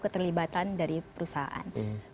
keterlibatan dari perusahaan